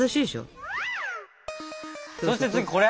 そして次これ！